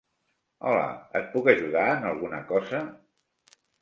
Hola, et puc ajudar en alguna cosa?